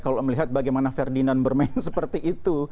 kalau melihat bagaimana ferdinand bermain seperti itu